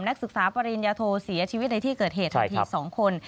นักศึกษาปริญญาโทเสียชีวิตในที่เกิดเหตุทันที๒คน